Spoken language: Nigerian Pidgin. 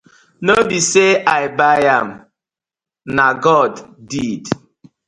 No bie say I bai am na god ded.